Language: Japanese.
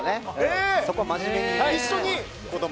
そこは真面目に。